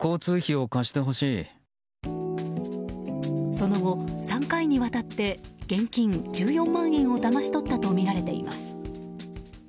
その後、３回にわたって現金１４万円をだまし取ったとみられています。